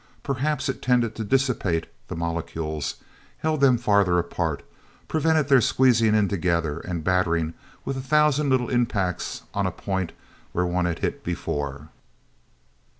Perhaps it tended to dissipate the molecules, held them farther apart, prevented their squeezing in together, and battering with a thousand little impacts on a point where one had hit before.